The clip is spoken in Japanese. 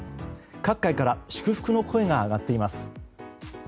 各界から祝福の声が上がっています。